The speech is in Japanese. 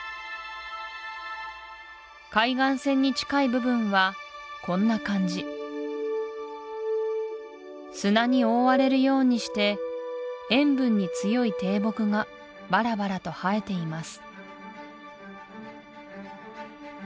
海岸線に近い部分はこんな感じ砂に覆われるようにして塩分に強い低木がばらばらと生えています